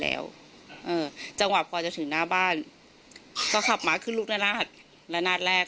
แล้วเอ่อจังหวะพอจะถึงหน้าบ้านก็ขับมาขึ้นลูกละนาดละนาดแรก